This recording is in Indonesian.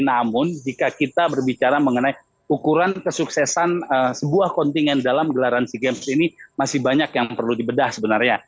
namun jika kita berbicara mengenai ukuran kesuksesan sebuah kontingen dalam gelaran sea games ini masih banyak yang perlu dibedah sebenarnya